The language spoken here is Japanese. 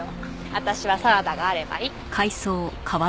私はサラダがあればいい。